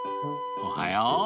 おはよう。